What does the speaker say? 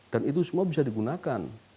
dan itu semua bisa digunakan